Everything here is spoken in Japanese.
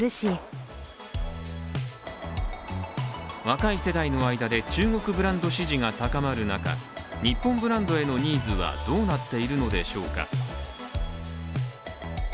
若い世代の間で中国ブランド支持が高まる中日本ブランドへのニーズはどうなっているのでしょうか。